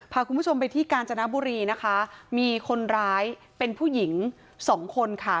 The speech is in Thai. พาคุณผู้ชมไปที่กาญจนบุรีนะคะมีคนร้ายเป็นผู้หญิงสองคนค่ะ